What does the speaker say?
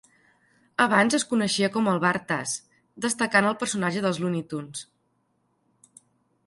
Abans es coneixia com el bar Taz, destacant el personatge dels Looney Tunes.